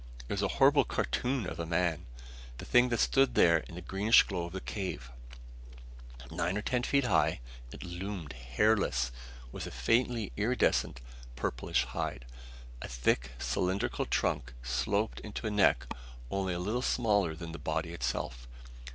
It was a horrible cartoon of a man, the thing that stood there in the greenish glow of the cave. Nine or ten feet high, it loomed; hairless, with a faintly iridescent, purplish hide. A thick, cylindrical trunk sloped into a neck only a little smaller than the body itself.